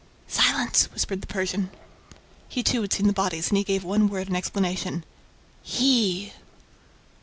"Silence!" whispered the Persian. He too had seen the bodies and he gave one word in explanation: "HE!"